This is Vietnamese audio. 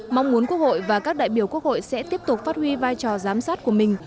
mong muốn quốc hội và các đại biểu quốc hội sẽ tiếp tục phát huy vai trò giám sát của mình